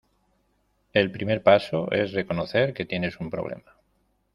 El primer paso es reconocer que tienes un problema.